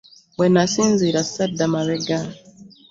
Bwenasinzira, sadda mabega.